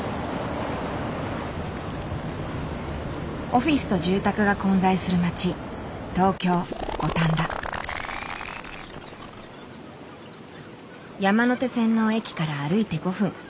オフィスと住宅が混在する街山手線の駅から歩いて５分。